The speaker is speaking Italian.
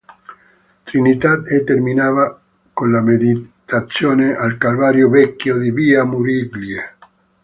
Trinità e terminava con le meditazioni al Calvario "vecchio" di Via Muraglie.